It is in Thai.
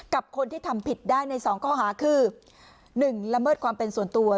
กับคนที่ทำผิดได้ใน๒ข้อหาคือ๑ละเมิดความเป็นส่วนตัว